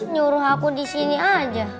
nyuruh aku di sini aja